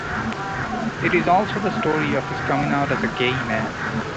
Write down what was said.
It is also the story of his coming out as a gay man.